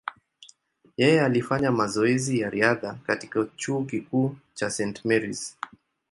Yeye alifanya mazoezi ya riadha katika chuo kikuu cha St. Mary’s.